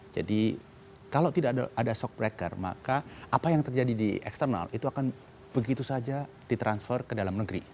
jadi kalau tidak ada shock breaker maka apa yang terjadi di eksternal itu akan begitu saja di transfer ke dalam negeri